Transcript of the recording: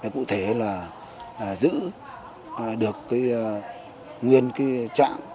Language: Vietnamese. cụ thể là giữ được nguyên trạng